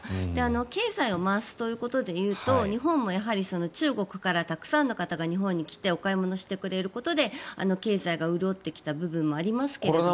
経済を回すということで言うと日本も中国からたくさんの方が日本に来てお買い物をしてくれることで経済が潤ってきた部分もありますけども。